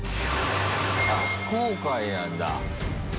あ、非公開なんだ。